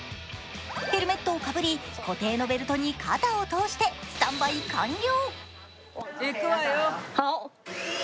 ヘルメットをかぶり固定のベルトに肩を通してスタンバイ完了。